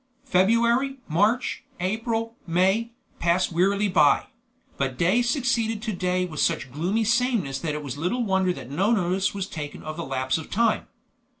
February, March, April, May, passed wearily by; but day succeeded to day with such gloomy sameness that it was little wonder that no notice was taken of the lapse of time.